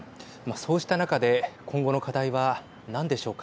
そうした中で今後の課題は何でしょうか。